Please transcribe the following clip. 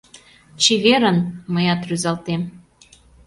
— Чеверын! — мыят рӱзалтем.